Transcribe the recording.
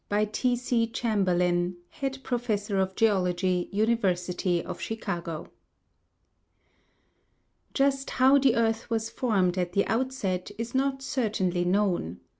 T. C. CHAMBERLIN, Head Professor of Geology, University of Chicago. Just how the earth was formed at the outset is not certainly known.